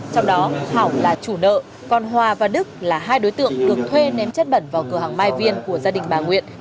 trong đó hảo là chủ nợ còn hòa và đức là hai đối tượng được thuê ném chất bẩn vào cửa hàng mai viên của gia đình bà nguyễn